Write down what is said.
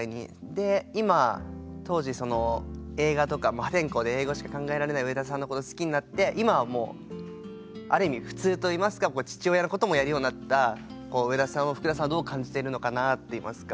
で今当時映画とか破天荒で映画しか考えられない上田さんのこと好きになって今はもうある意味普通といいますか父親のこともやるようになった上田さんをふくださんはどう感じているのかなっていいますか。